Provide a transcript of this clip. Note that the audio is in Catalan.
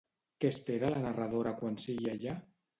Què espera la narradora quan sigui allà?